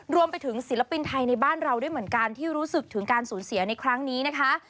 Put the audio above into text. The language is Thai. รวมไปถึงศิลปินไทยในบ้านเราด้วยเหมือนกันที่รู้สึกถึงการสูญเสียในครั้งนี้นะคะ